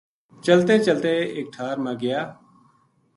چلتیں چلتیں ایک ٹھار ما گیا